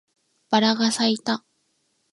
バラが咲いた